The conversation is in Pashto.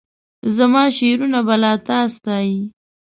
زماشعرونه به لا تا ستایي